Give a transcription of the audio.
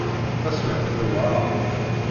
Taswiεt tewεer.